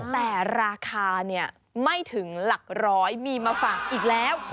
แต่ราคาไม่ถึงหลักร้อยมีมาฝากอีกแล้ว